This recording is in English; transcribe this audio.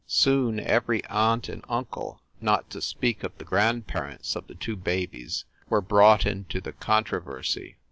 Soon every aunt and uncle, not to speak of the grand parents of the two babies were brought into the controversy.